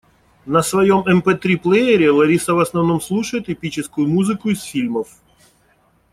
На своём МП-три-плеере Лариса в основном слушает эпическую музыку из фильмов.